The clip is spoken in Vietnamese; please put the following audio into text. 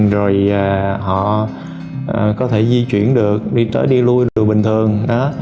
rồi họ có thể di chuyển được đi tới đi lui bình thường